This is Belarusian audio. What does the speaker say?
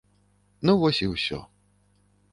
Ну вось і ўсе.